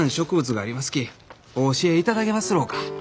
きお教えいただけますろうか？」。